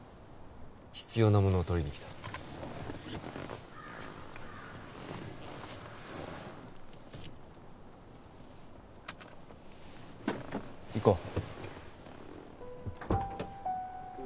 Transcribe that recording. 必要なものを取りに来た行こう